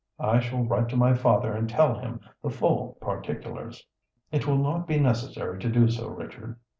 I shall write to my father and tell him the full particulars." "It will not be necessary to do so, Richard."